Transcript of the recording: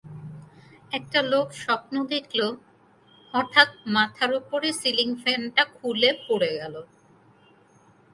একটা লোক স্বপ্ন দেখল, হঠাৎ মাথার উপর সিলিং ফ্যানটা খুলে পড়ে গেল।